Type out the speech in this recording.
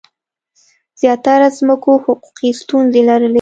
زیاتره ځمکو حقوقي ستونزي لرلي.